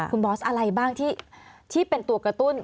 คุณบอสอะไรบ้างที่เป็นตัวกระตุ้น